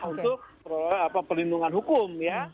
untuk pelindungan hukum ya